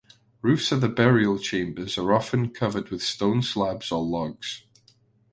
Roofs of the burial chambers are often covered with stone slabs or logs.